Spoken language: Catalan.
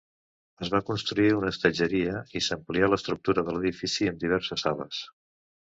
Es va construir una hostatgeria i s'amplià l'estructura de l'edifici amb diverses sales.